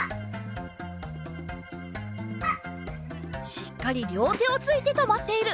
しっかりりょうてをついてとまっている！